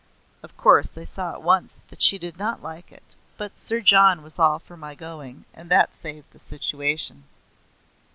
Of course I saw at once that she did not like it; but Sir John was all for my going, and that saved the situation.